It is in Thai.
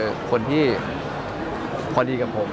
ถ้าคนที่พระนี้กับผม